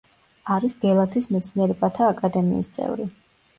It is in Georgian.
არის გელათის მეცნიერებათა აკადემიის წევრი.